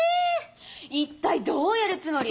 一体どうやるつもり？